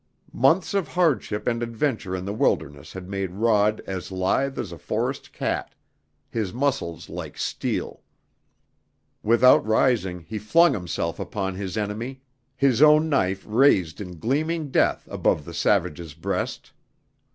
Months of hardship and adventure in the wilderness had made Rod as lithe as a forest cat, his muscles like steel. Without rising he flung himself upon his enemy, his own knife raised in gleaming death above the savage's breast.